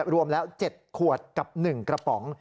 รวมแล้ว๗ขวดกับ๑กระป๋อง